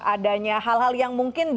adanya hal hal yang mungkin